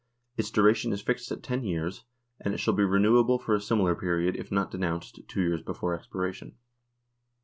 Its duration is fixed at ten years, and it shall be renewable for a similar period if not denounced two years before expiration.